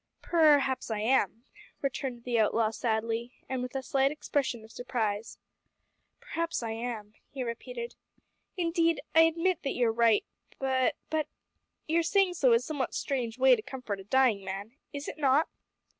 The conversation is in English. "Perhaps I am," returned the outlaw sadly, and with a slight expression of surprise. "Perhaps I am," he repeated. "Indeed I admit that you are right, but but your saying so is a somewhat strange way to comfort a dying man. Is it not?"